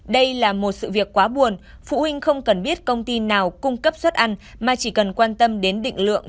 đây là một sự việc quá buồn phụ huynh không cần biết công ty nào cung cấp suất ăn mà chỉ cần quan tâm đến định lượng